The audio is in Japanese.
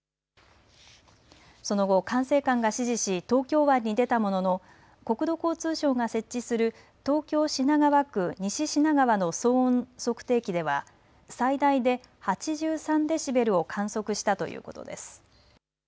その後、管制官が指示し東京湾に出たものの国土交通省が設置する東京品川区西品川の騒音測定器では最大で８３デシベルを観測したということです。